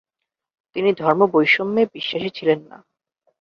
তিনি ধর্ম বৈষম্যে বিশ্বাসী ছিলেন না।